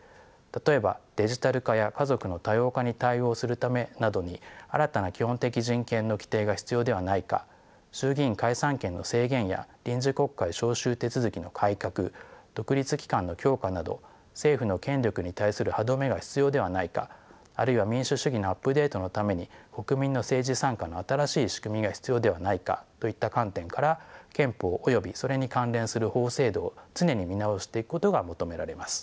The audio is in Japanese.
例えばデジタル化や家族の多様化に対応するためなどに新たな基本的人権の規定が必要ではないか衆議院解散権の制限や臨時国会召集手続きの改革独立機関の強化など政府の権力に対する歯止めが必要ではないかあるいは民主主義のアップデートのために国民の政治参加の新しい仕組みが必要ではないかといった観点から憲法およびそれに関連する法制度を常に見直していくことが求められます。